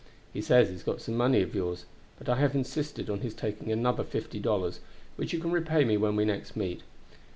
He says he's got some money of yours; but I have insisted on his taking another fifty dollars, which you can repay me when we next meet.